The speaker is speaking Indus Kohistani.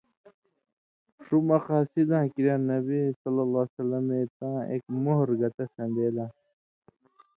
ݜُو مقصدیاں کِریا نبیؐ اے تاں اېک مُہر گتہ سَن٘دے لس،